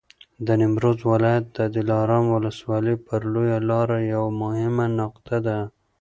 د نیمروز ولایت دلارام ولسوالي پر لویه لاره یوه مهمه نقطه ده.